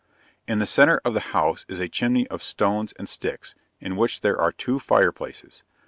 In the centre of the house is a chimney of stones and sticks, in which there are two fire places.